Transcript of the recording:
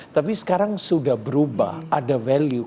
tapi sekarang sudah berubah ada value